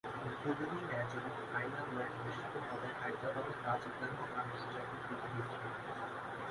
উদ্বোধনী ম্যাচ এবং final match অনুষ্ঠিত হবে হায়দ্রাবাদের রাজীব গান্ধী আন্তর্জাতিক ক্রিকেট স্টেডিয়াম-এ।